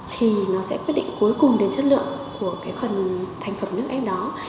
thì nó sẽ quyết định cuối cùng đến chất lượng của thành phẩm nước ép đó